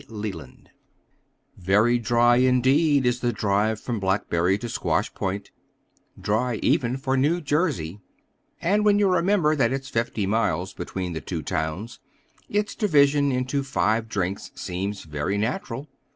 LELAND Very dry, indeed, is the drive from Blackberry to Squash Point, dry even for New Jersey; and when you remember that it's fifty miles between the two towns, its division into five drinks seems very natural.